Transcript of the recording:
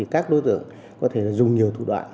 các đối tượng có thể dùng nhiều thủ đoạn